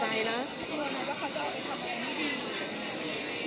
กลัวไหมว่าเขาจะเอาไปทักษะไม่ดี